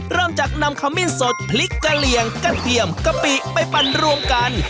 เริ่มจากนำขมิ้นสดพริกกะเหลี่ยงกระเทียมกะปิไปปั่นรวมกัน